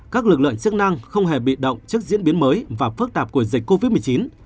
các lực lượng chức năng không hề bị động trước diễn biến mới và phức tạp của dịch covid một mươi chín